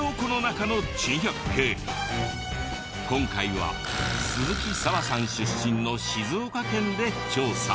今回は鈴木砂羽さん出身の静岡県で調査。